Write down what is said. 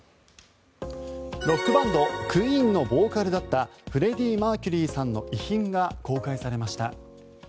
ロックバンド、クイーンのボーカルだったフレディ・マーキュリーさんの遺品が公開されました。